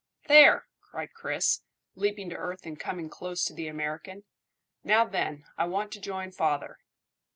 "There!" cried Chris, leaping to earth and coming close to the American. "Now then, I want to join father."